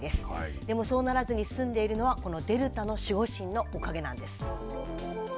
でも、そうならずに済んでいるのは、このデルタの守護神のおかげなんです。